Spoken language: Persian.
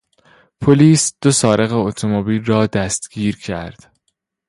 پلیس دو سارق اتومبیل را دستگیر کرد.